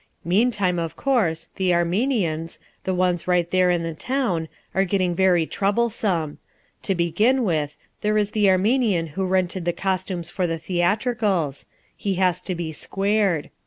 Meantime, of course, the Armenians, the ones right there in the town, are getting very troublesome. To begin with, there is the Armenian who rented the costumes for the theatricals: he has to be squared.